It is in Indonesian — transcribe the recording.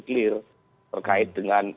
clear berkait dengan